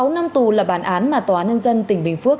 một mươi sáu năm tù là bản án mà tòa án nhân dân tỉnh bình phước